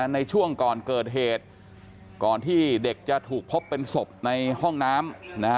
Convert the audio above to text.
ในช่วงก่อนเกิดเหตุก่อนที่เด็กจะถูกพบเป็นศพในห้องน้ำ